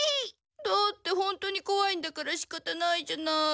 だって本当にこわいんだからしかたないじゃない。